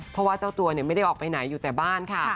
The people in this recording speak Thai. เพราะว่าเจ้าตัวไม่ได้ออกไปไหนอยู่แต่บ้านค่ะ